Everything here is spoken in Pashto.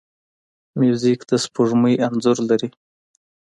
موزیک د سپوږمۍ انځور لري.